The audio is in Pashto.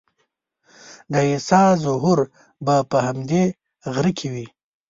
د عیسی ظهور به په همدې غره کې وي.